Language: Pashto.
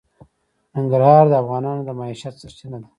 ننګرهار د افغانانو د معیشت سرچینه ده.